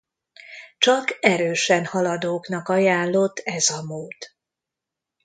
Csak erősen haladóknak ajánlott ez a mód.